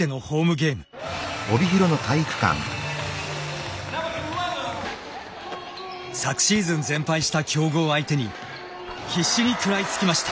昨シーズン全敗した強豪を相手に必死に食らいつきました。